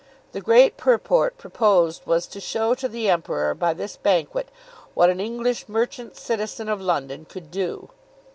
The great purport proposed was to show to the Emperor by this banquet what an English merchant citizen of London could do.